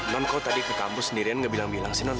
nonko tadi ke kampus sendirian gak bilang bilang sih non